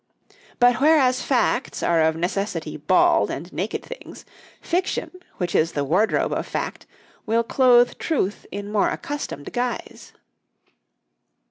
But, whereas facts are of necessity bald and naked things, fiction, which is the wardrobe of fact, will clothe truth in more accustomed guise.